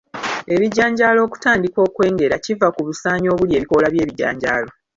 Ebijanjaalo okutandika okwengera kiva ku busaanyi obulya ebikoola by’ebijanjaalo.